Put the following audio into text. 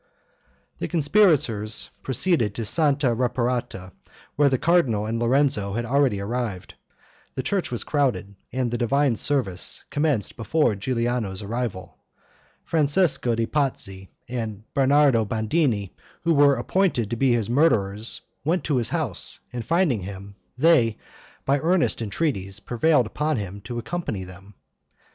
The conspirators proceeded to Santa Reparata, where the cardinal and Lorenzo had already arrived. The church was crowded, and divine service commenced before Giuliano's arrival. Francesco de' Pazzi and Bernardo Bandini, who were appointed to be his murderers, went to his house, and finding him, they, by earnest entreaties, prevailed upon him to accompany them.